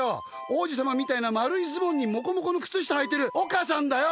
王子様みたいな丸いズボンにモコモコの靴下はいてる岡さんだよ！